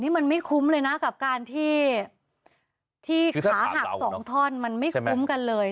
นี่มันไม่คุ้มเลยนะกับการที่ขาหักสองท่อนมันไม่คุ้มกันเลย